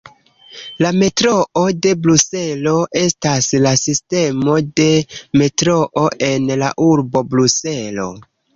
La Metroo de Bruselo estas la sistemo de metroo en la urbo Bruselo.